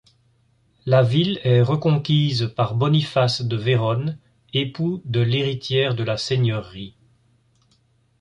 La ville est reconquise par Boniface de Vérone, époux de l'héritière de la seigneurie.